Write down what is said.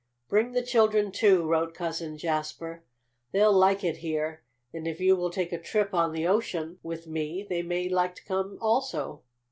"Bring the children, too," wrote Cousin Jasper. "They'll like it here, and if you will take a trip on the ocean with me they may like to come, also."